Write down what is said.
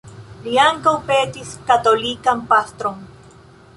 Li ankaŭ petis katolikan pastron.